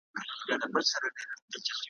چا یوه او چا بل لوري ته ځغستله ,